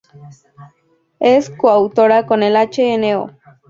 Es coautora con el Hno.